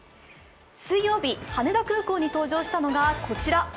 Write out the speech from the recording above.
水曜日、羽田空港に登場したのがこちら。